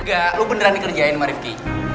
enggak lo beneran dikerjain sama rifqi